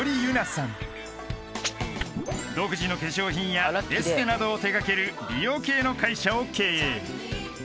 ［独自の化粧品やエステなどを手掛ける美容系の会社を経営］